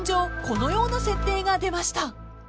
このような設定が出ました］